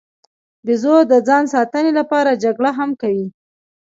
بیزو د ځان ساتنې لپاره جګړه هم کوي.